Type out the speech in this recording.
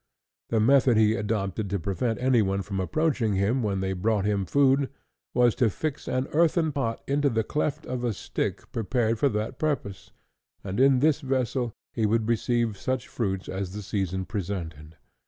The method he adopted to prevent any one from approaching him when they brought him food, was to fix an earthen pot into the cleft of a stick prepared for that purpose, and in this vessel he would receive such fruits as the season presented.